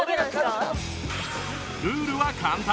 ルールは簡単